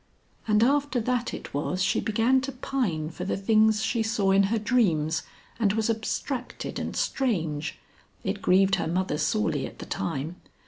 (And after that it was she began to pine for the things she saw in her dreams, and was abstracted and strange. It grieved her mother sorely at the time.